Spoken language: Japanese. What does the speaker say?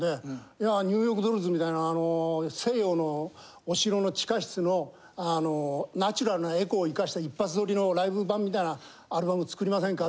いやニューヨーク・ドールズみたいな西洋のお城の地下室のあのナチュラルなエコーを生かした一発録りのライブ盤みたいなアルバム作りませんか？